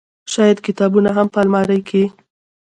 شايد کتابونه هم په المارۍ کې